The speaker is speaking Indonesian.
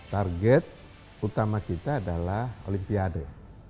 target utama kita adalah olimpiade